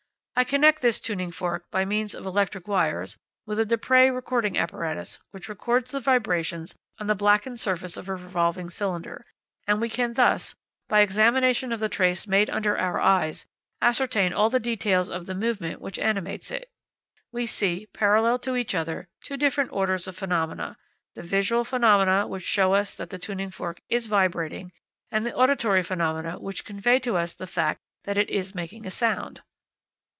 I connect this tuning fork, by means of electric wires, with a Déprez recording apparatus which records the vibrations on the blackened surface of a revolving cylinder; and we can thus, by an examination of the trace made under our eyes, ascertain all the details of the movement which animates it. We see, parallel to each other, two different orders of phenomena; the visual phenomena which show us that the tuning fork is vibrating, and the auditory phenomena which convey to us the fact that it is making a sound.